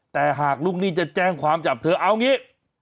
แต่หากลูกหนี้จะแจ้งความจับเธอเอางี้